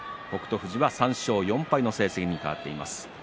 富士は３勝４敗の成績に変わっています。